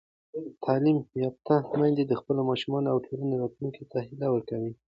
تعلیم یافته میندې د خپلو ماشومانو او ټولنې راتلونکي ته هیله ورکوي.